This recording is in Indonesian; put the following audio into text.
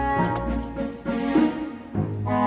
selamat menikmati ya